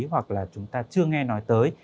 hoặc là chúng ta chưa nghe nói tới